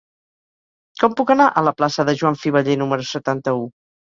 Com puc anar a la plaça de Joan Fiveller número setanta-u?